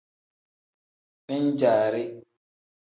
Min-jaari.